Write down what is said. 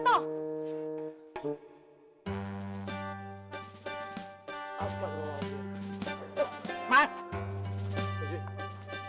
lu mau kemana